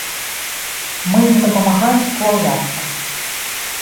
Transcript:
Мы ім дапамагаем сплаўляцца.